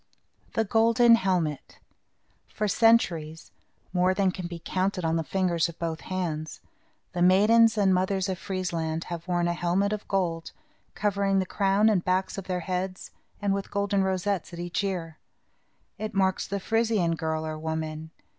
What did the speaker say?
THE GOLDEN HELMET For centuries, more than can be counted on the fingers of both hands, the maidens and mothers of Friesland have worn a helmet of gold covering the crown and back of their heads, and with golden rosettes at each ear. It marks the Frisian girl or woman.